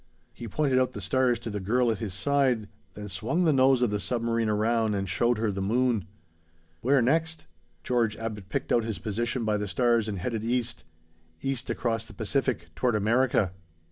He pointed out the stars to the girl at his side, then swung the nose of the submarine around and showed her the moon. Where next? George Abbot picked out his position by the stars and headed east. East across the Pacific, toward America.